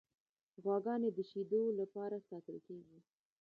غواګانې د شیدو لپاره ساتل کیږي.